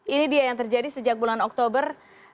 ini dia yang terjadi sejak bulan oktober dua ribu sembilan belas